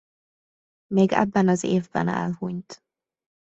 Még ebben az évben elhunyt.